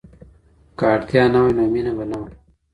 که اړتیا نه وای نو مینه به نه وه.